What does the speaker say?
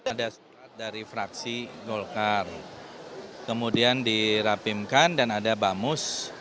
ada surat dari fraksi golkar kemudian dirapimkan dan ada bamus